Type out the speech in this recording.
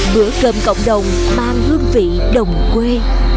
bữa cơm cộng đồng mang hương vị đồng quê